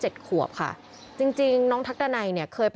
ส่วนของชีวาหาย